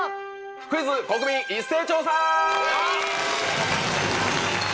『クイズ！国民一斉調査』。